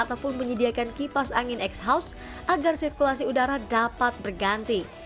ataupun menyediakan kipas angin x house agar sirkulasi udara dapat berganti